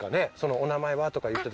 「お名前は？」とか言ったとき。